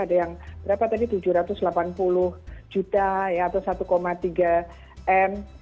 ada yang berapa tadi tujuh ratus delapan puluh juta ya atau satu tiga m